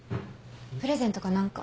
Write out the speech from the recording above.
プレゼントか何か？